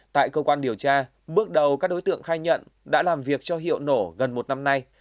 tại cơ quan điều tra bước đầu các đối tượng khai nhận đã làm việc cho hiệu nổ gần một năm nay